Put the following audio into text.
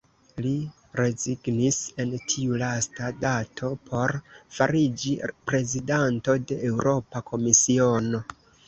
Li rezignis en tiu lasta dato por fariĝi prezidanto de Eŭropa Komisiono.